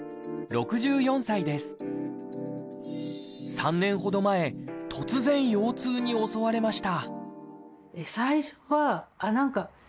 ３年程前突然、腰痛に襲われました。